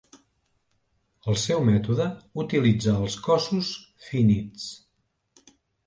El seu mètode utilitza els cossos finits.